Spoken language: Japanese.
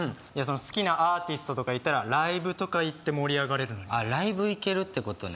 好きなアーティストとかいたらライブとか行って盛り上がれるあっライブ行けるってことね